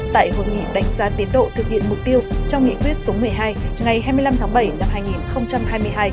tại hội nghị đánh giá tiến độ thực hiện mục tiêu trong nghị quyết số một mươi hai ngày hai mươi năm tháng bảy năm hai nghìn hai mươi hai